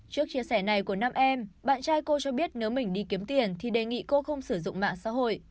trước chia sẻ này của năm em bạn trai cô cho biết nếu mình đi kiếm tiền thì đề nghị cô không sử dụng mạng xã hội